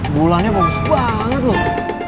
bulannya bagus banget loh